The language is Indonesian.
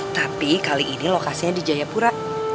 tapi kali ini lokasinya di jayapura